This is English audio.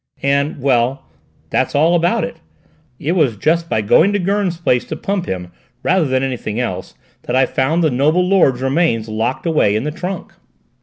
And well, that's all about it. It was just by going to Gurn's place to pump him, rather than anything else, that I found the noble lord's remains locked away in the trunk."